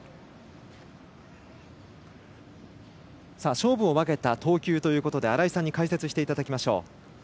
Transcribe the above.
勝負を分けた投球ということで新井さんに解説していただきましょう。